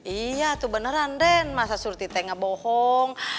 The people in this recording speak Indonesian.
iya tuh beneran den masa sur tite gak bohong